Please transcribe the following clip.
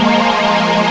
aku uk hera